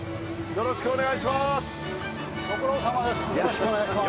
よろしくお願いします。